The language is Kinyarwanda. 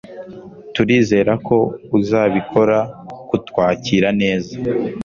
turizera ko uzabikora kutwakira neza